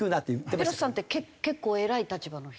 ペロシさんって結構偉い立場の。